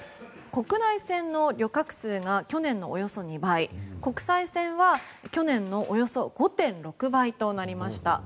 国内線の旅客数が去年のおよそ２倍国際線は去年のおよそ５．６倍となりました。